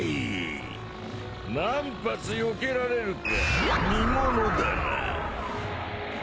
何発よけられるか見ものだな。